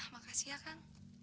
makasih ya kang